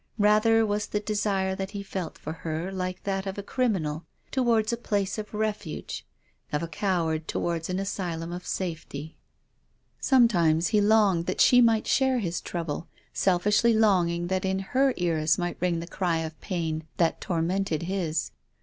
Rather was the desire that he felt for her like that of a criminal towards a place of refuge, of a coward towards an asylum of safety. Sometimes he 2l6 TONGUES OF CONSCIENCE. longed that she might share his trouble, selfishly longed that in her ears might ring the cry of pain that tormented his.